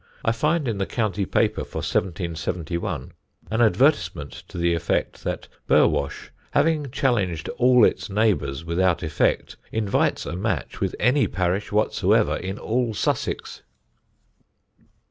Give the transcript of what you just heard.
I find in the county paper for 1771 an advertisement to the effect that Burwash, having "challenged all its neighbours without effect," invites a match with any parish whatsoever in all Sussex.